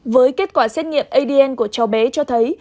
với kết quả xét nghiệm adn của cháu bé cho thấy